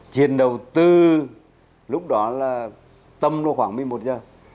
chiến đấu từ lúc đó là tầm lúc khoảng một mươi một giờ